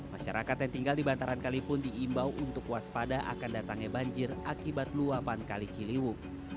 masyarakat yang tinggal di bantaran kalipun diimbau untuk waspada akan datangnya banjir akibat luapan kali ciliwung